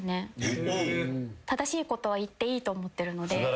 正しいことは言っていいと思ってるので。